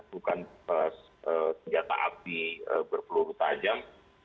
bukan senjata api berpeluru tajam